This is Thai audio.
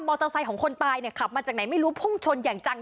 เตอร์ไซค์ของคนตายเนี่ยขับมาจากไหนไม่รู้พุ่งชนอย่างจัง